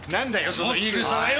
その言い草はよ！